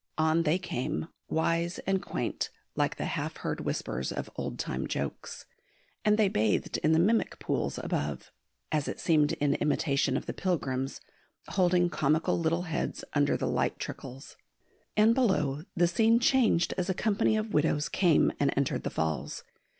On they came, wise and quaint, like the half heard whispers of old time jokes. And they bathed in the mimic pools above, as it seemed in imitation of the pilgrims, holding comical little heads under the light trickles. And below the scene changed as a company of widows came and entered the Falls.